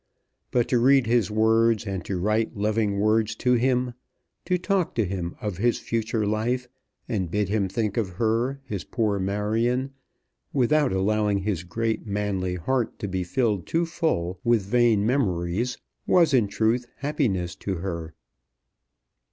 But to read his words, and to write loving words to him, to talk to him of his future life, and bid him think of her, his poor Marion, without allowing his great manly heart to be filled too full with vain memories, was in truth happiness to her.